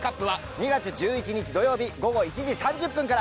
２月１１日土曜日午後１時３０分から！